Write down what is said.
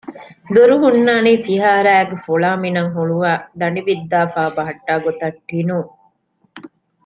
ދޮރު ހުންނަނީ ފިހާރައިގެ ފުޅާމިނަށް ހުޅުވައި ދަނޑި ވިއްދާފައި ބަހައްޓާ ގޮތަށް ޓިނުން